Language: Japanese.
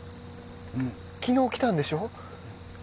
昨日、来たんでしょ？